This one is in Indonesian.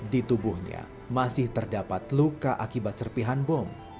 di tubuhnya masih terdapat luka akibat serpihan bom